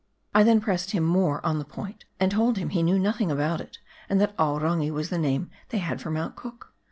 I then pressed him more on the point, and told him he knew nothing about it, and that Aorangi was the name they had for Mount Cook.